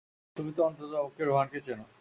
তুমি তো অন্ততপক্ষে রোহানকে চেনো।